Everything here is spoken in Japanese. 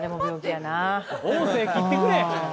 音声切ってくれ！